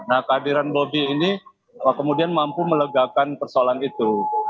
nah kehadiran bobi ini kemudian mampu melegakan persoalan itu